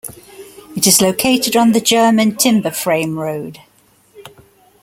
It is located on the German Timber-Frame Road.